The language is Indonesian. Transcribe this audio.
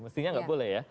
mestinya gak boleh ya